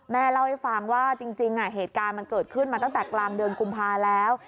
เล่าให้ฟังว่าจริงเหตุการณ์มันเกิดขึ้นมาตั้งแต่กลางเดือนกุมภาแล้ว